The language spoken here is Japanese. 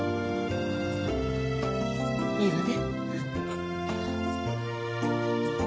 いいわね？